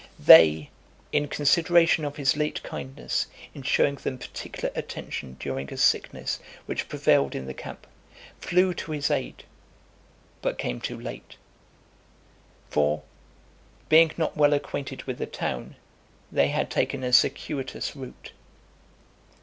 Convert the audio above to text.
They, in consideration of his late kindness in showing them particular attention during a sickness which prevailed in the camp, flew to his aid, but came too late; for, being not well acquainted with the town, they had taken a circuitous route.